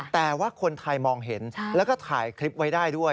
แต่ว่าคนไทยมองเห็นแล้วก็ถ่ายคลิปไว้ได้ด้วย